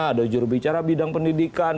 ada jurubicara bidang pendidikan